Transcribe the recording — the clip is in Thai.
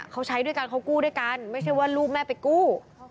เขาใช้ด้วยกันเขากู้ด้วยกันไม่ใช่ว่าลูกแม่ไปกู้